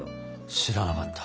知らなかった。